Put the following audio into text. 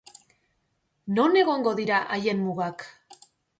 Non egongo dira haien mugak?